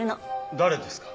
誰ですか？